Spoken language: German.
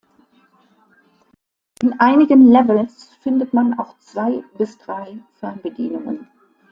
In einigen Levels findet man auch zwei bis drei Fernbedienungen.